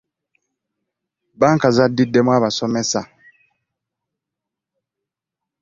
Banka zaddiddemu abasomesa.